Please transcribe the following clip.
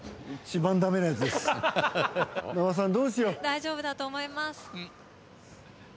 大丈夫だと思います。